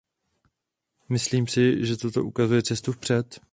Myslím si, že toto ukazuje cestu vpřed.